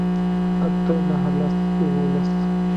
اتۀ نهه لس يوولس